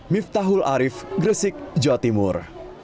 miftahul arief gresik jawa timur